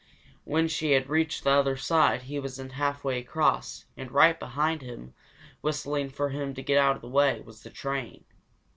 When she had reached the other side, he wasn't halfway across, and right behind him, whistling for him to get out of the way, was the train.